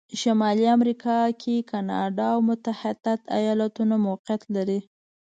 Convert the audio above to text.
شمالي امریکا کې کانادا او متحتد ایالتونه موقعیت لري.